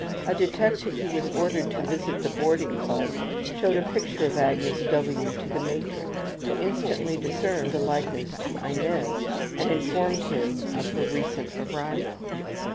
A detective who was ordered to visit the boarding club showed a picture of Agnes W. to the matron, who instantly discerned a likeness to Inez and informed him of her recent arrival.